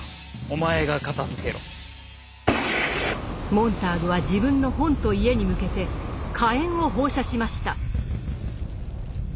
モンターグは自分の本と家に向けて火炎を放射しました。